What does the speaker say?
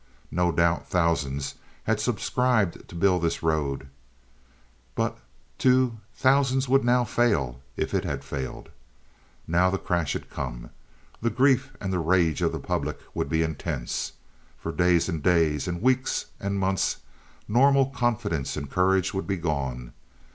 No doubt thousands had subscribed to build this road; but, too, thousands would now fail if it had failed. Now the crash had come. The grief and the rage of the public would be intense. For days and days and weeks and months, normal confidence and courage would be gone.